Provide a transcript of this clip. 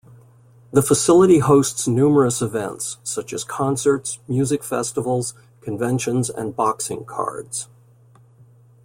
The facility hosts numerous events, such as concerts, music festivals, conventions and boxing cards.